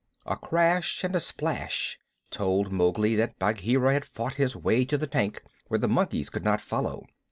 A crash and a splash told Mowgli that Bagheera had fought his way to the tank where the monkeys could not follow.